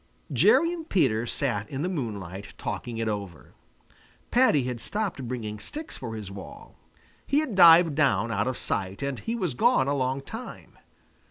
Jerry and Peter sat in the moonlight talking it over. Paddy had stopped bringing sticks for his wall. He had dived down out of sight, and he was gone a long time.